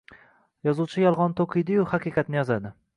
Yozuvchi yolg’onni to’qiydi-yu, haqiqatni yozadi.